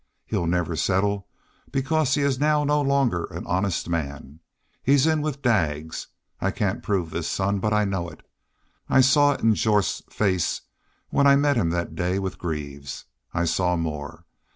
He'll never settle because he is now no longer an honest man. He's in with Daggs. I cain't prove this, son, but I know it. I saw it in Jorth's face when I met him that day with Greaves. I saw more.